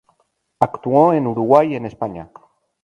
Actuó en Uruguay y en España.